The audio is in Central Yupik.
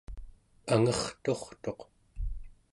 angerturtuq